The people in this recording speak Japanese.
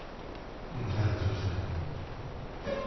うんはいそうですね。